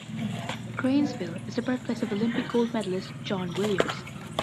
Cranesville is the birthplace of Olympic gold medalist John Williams.